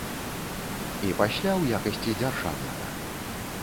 І пасля ў якасці дзяржаўнага.